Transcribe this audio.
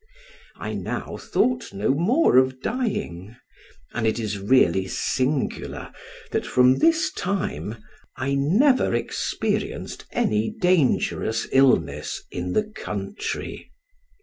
I now thought no more of dying, and it is really singular, that from this time I never experienced any dangerous illness in the country.